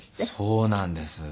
そうなんです。